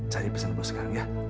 cari pesanan bos sekarang ya